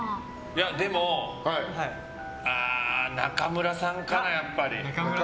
中村さんかな、やっぱり。